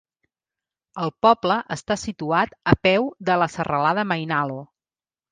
El poble està situat a peu de la serralada Mainalo.